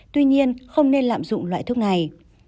tuy nhiên không nên lạm dụng loại thuốc này